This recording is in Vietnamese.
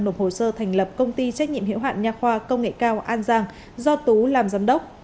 nộp hồ sơ thành lập công ty trách nhiệm hiệu hạn nhà khoa công nghệ cao an giang do tú làm giám đốc